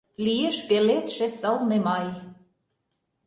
Лиеш пеледше сылне май;